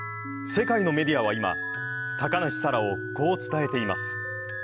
世界のメディアは今、高梨沙羅をこう伝えています。